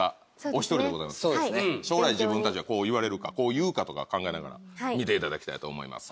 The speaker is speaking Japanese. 将来自分たちがこう言われるかこう言うかとか考えながら見て頂きたいと思います。